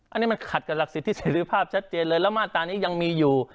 อันนี้มันขัดกับหลักสิทธิเสรีภาพชัดเจนเลยแล้วมาตรานี้ยังมีอยู่